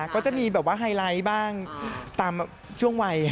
ก็จะมีแบบว่าไฮไลท์บ้างตามช่วงวัย